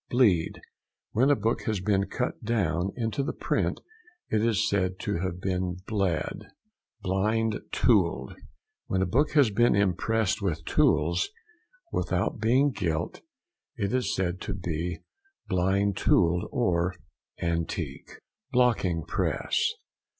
BLEED.—When a book has been cut down into the print it is said to have been bled. BLIND TOOLED.—When a book has been impressed with tools |174| without being gilt, it is said to be "blind tooled" or "antique." BLOCKING PRESS.